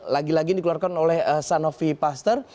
lagi lagi dikeluarkan oleh sanofi pasteur